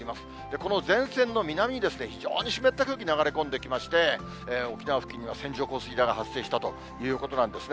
この前線の南に、非常に湿った空気流れ込んできまして、沖縄付近には線状降水帯が発生したということなんですね。